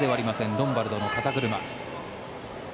ロンバルドの肩車。